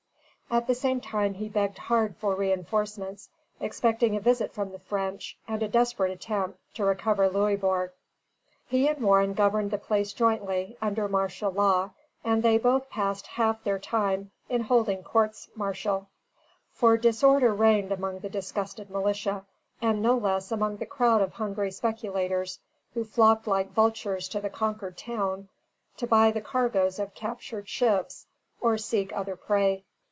At the same time he begged hard for reinforcements, expecting a visit from the French and a desperate attempt to recover Louisbourg. He and Warren governed the place jointly, under martial law, and they both passed half their time in holding courts martial; for disorder reigned among the disgusted militia, and no less among the crowd of hungry speculators, who flocked like vultures to the conquered town to buy the cargoes of captured ships, or seek for other prey.